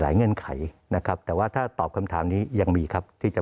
เงื่อนไขนะครับแต่ว่าถ้าตอบคำถามนี้ยังมีครับที่จะ